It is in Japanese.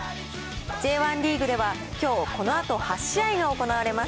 Ｊ１リーグではきょう、このあと８試合が行われます。